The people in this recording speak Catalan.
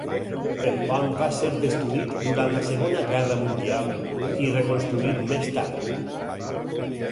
El pont va ser destruït durant la Segona Guerra Mundial i reconstruït més tard.